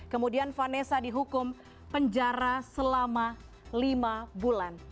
kemudian vanessa dihukum penjara selama lima bulan